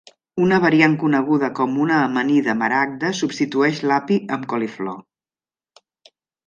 Una variant coneguda com una amanida maragda substitueix l'API amb coliflor.